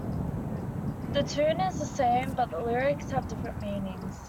The tune is the same but the lyrics have different meanings.